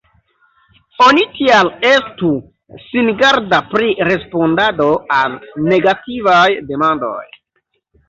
Oni tial estu singarda pri respondado al negativaj demandoj.